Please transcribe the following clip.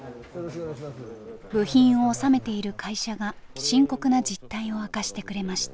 部品をおさめている会社が深刻な実態を明かしてくれました。